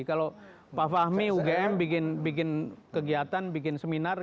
kalau pak fahmi ugm bikin kegiatan bikin seminar